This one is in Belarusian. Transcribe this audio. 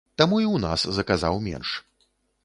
Таму і ў нас заказаў менш.